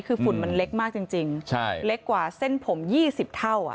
คือฝุ่นมันเล็กมากจริงใช่เล็กกว่าเส้นผม๒๐เท่าอ่ะ